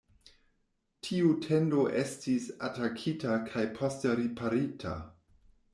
Tiu tendo estis atakita kaj poste riparita.